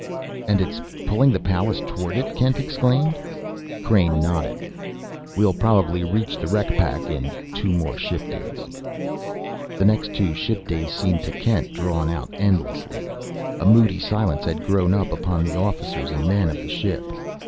"And it's pulling the Pallas toward it?" Kent exclaimed. Crain nodded. "We'll probably reach the wreck pack in two more ship days." The next two ship days seemed to Kent drawn out endlessly. A moody silence had grown upon the officers and men of the ship.